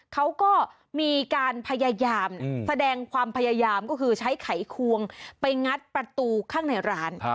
เขาก็มีการพยายามแสดงความพยายามก็คือใช้ไขควงไปงัดประตูข้างในร้าน